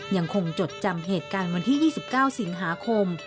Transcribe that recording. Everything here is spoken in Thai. จดจำเหตุการณ์วันที่๒๙สิงหาคม